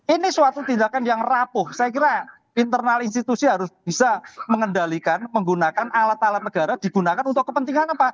ini suatu tindakan yang rapuh saya kira internal institusi harus bisa mengendalikan menggunakan alat alat negara digunakan untuk kepentingan apa